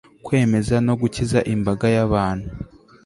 kwemeza no gukiza imbaga y'abantu